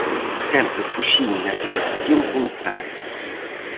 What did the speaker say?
Sempre fuxín na dirección contraria: